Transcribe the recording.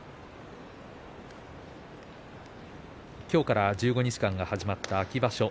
今日から１５日間が始まった秋場所。